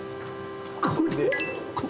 これ？